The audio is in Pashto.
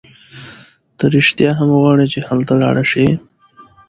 ته رېښتیا هم غواړي هلته ولاړه شې؟